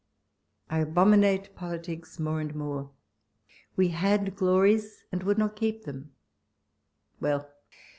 I abominate politics more and more ; we had gloi ies, and would not keep them : well